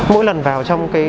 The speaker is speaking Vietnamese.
mỗi lần vào trong cái